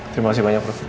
terima kasih banyak prof